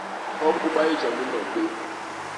Hop u bayi jam u nnom béé.